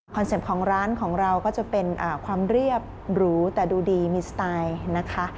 เป็ปต์ของร้านของเราก็จะเป็นความเรียบหรูแต่ดูดีมีสไตล์นะคะ